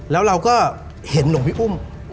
แล้วเราก็เห็นหลวงพี่อุ้ม